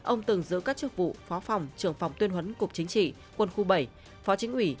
ông từng giữ các chức vụ phó phòng trưởng phòng tuyên huấn cục chính trị quân khu bảy phó chính ủy